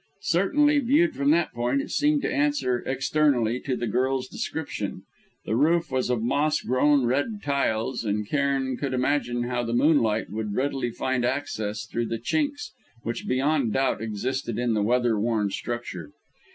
Certainly, viewed from that point, it seemed to answer, externally, to the girl's description. The roof was of moss grown red tiles, and Cairn could imagine how the moonlight would readily find access through the chinks which beyond doubt existed in the weather worn structure.